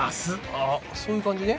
あそういう感じね。